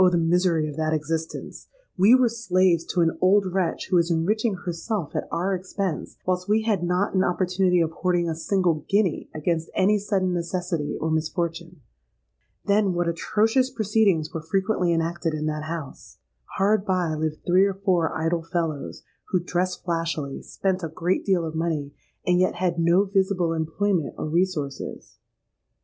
the misery of that existence! We were slaves to an old wretch who was enriching herself at our expense, whilst we had not an opportunity of hoarding a single guinea against any sudden necessity or misfortune. Then, what atrocious proceedings were frequently enacted in that house! Hard by lived three or four idle fellows, who dressed flashily, spent a great deal of money, and yet had no visible employment or resources.